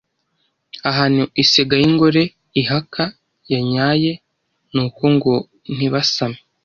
ahantu isega y’ingore ihaka yanyaye nuko ngo ntibasame.